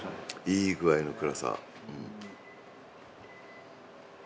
いい具合の暗さ。